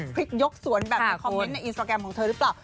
พลิกยกสวนแบบในคอมเมนต์ในอินสตราแกรมของเธอหรือเปล่า